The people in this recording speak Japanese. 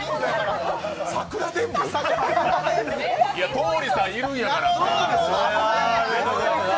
桃李さんがいるんやから。